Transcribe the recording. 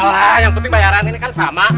wah yang penting bayaran ini kan sama